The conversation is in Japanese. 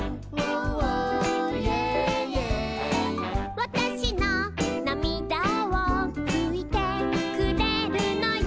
「わたしのなみだをふいてくれるのよ」